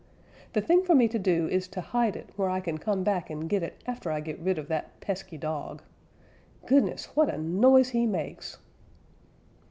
The thing for me to do is to hide it where I can come back and get it after I get rid of that pesky dog. Goodness, what a noise he makes!"